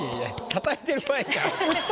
たたいてる場合ちゃう。